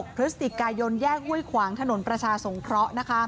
พลัสติกกายนแยกไว้ขวางถนนประชาสงเคราะห์